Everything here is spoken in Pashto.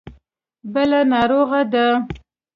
بله ناروغه ده.